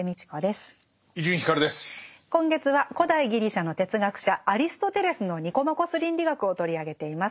今月は古代ギリシャの哲学者アリストテレスの「ニコマコス倫理学」を取り上げています。